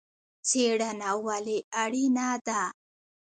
څیړنه ولې اړینه ده؟